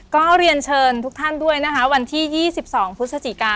ก็เรียนเชิญทุกท่านด้วยนะฮะวันที่ยี่สิบสองพุศจิกา